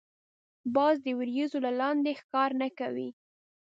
باز د وریځو له لاندی ښکار نه کوي